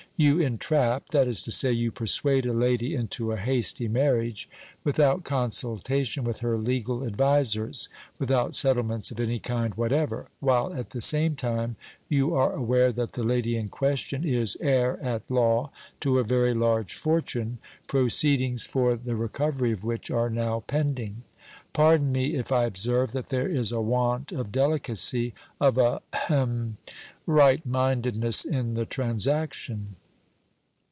"You entrap that is to say, you persuade a lady into a hasty marriage without consultation with her legal advisers, without settlements of any kind whatever while at the same time you are aware that the lady in question is heir at law to a very large fortune, proceedings for the recovery of which are now pending. Pardon me if I observe that there is a want of delicacy of a hem right mindedness in the transaction."